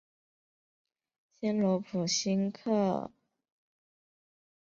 新罗普斯克农村居民点是俄罗斯联邦布良斯克州克利莫沃区所属的一个农村居民点。